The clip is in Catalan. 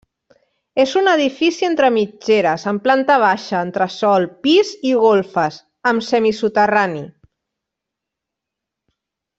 És un edifici entre mitgeres, amb planta baixa, entresòl, pis i golfes, amb semisoterrani.